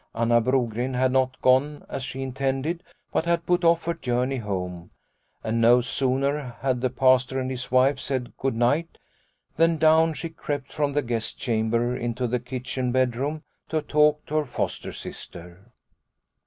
Anna Brogren had not gone as she intended, but had put off her journey home, and no sooner had the Pastor and his wife said good night than down she crept from the guest chamber into the kitchen bedroom to talk to her foster sister.